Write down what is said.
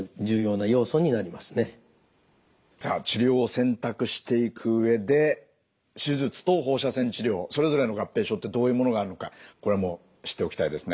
さあ治療を選択していく上で手術と放射線治療それぞれの合併症ってどういうものがあるのかこれも知っておきたいですね。